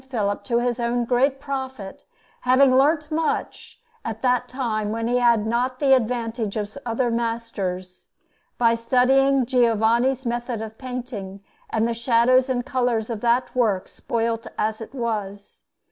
Philip, to his own great profit, having learnt much, at that time when he had not the advantage of other masters, by studying Giovanni's method of painting and the shadows and colours of that work, spoilt as it was.